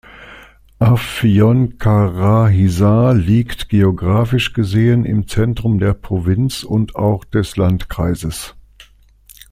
Afyonkarahisar liegt geografisch gesehen im Zentrum der Provinz und auch des Landkreises.